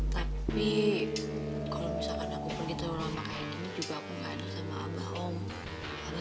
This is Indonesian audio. tapi kalau misalkan aku pergi terlalu lama kayak gini juga aku gak ada sama abah om